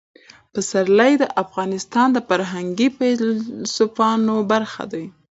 پسرلی د افغانستان د فرهنګي فستیوالونو برخه ده.